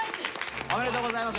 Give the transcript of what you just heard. おめでとうございます。